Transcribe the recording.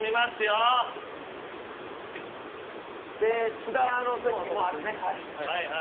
津田の席もあるね。